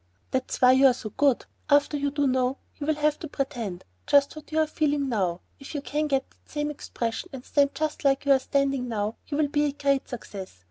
"That's why you are so good! After you do know, you will have to pretend just what you are feeling now. If you can get that same expression and stand just like you are standing now, you'll be a great success.